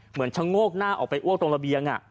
เหมือนชะโงกหน้าออกไปอ้วกตรงระเบียง